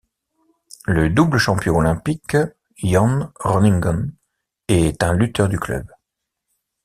Le double champion olympique Jon Rønningen est un lutteur du club.